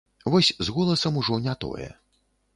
Вось з голасам ужо не тое.